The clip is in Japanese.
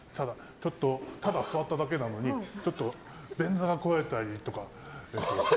ただ座っただけなのにちょっと、便座が壊れたりとか。